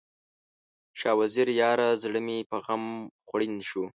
شاه وزیره یاره، زړه مې په غم خوړین شو